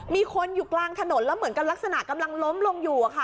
มีคนอยู่กลางถนนแล้วเหมือนกับลักษณะกำลังล้มลงอยู่อะค่ะ